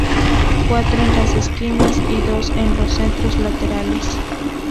Cuatro en las esquinas y dos en los centros laterales.